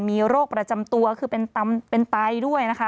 มีโรคประจำตัวคือเป็นไตด้วยนะคะ